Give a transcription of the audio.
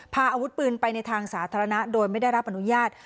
พาอาวุธปืนไปในทางสาธารณะโดยไม่ได้รับอนุญาต